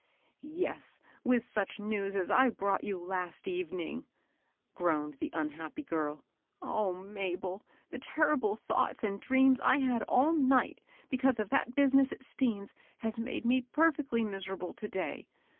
" Yes, with such news as I brought you last even ing," groaned the unhappy girl. " O Maki<^\ "^efi^ 12 178 MABEL ROSS. terrible thoughts and dreams I had all night be cause of that business of Stean's has made me per fectly miserable to day.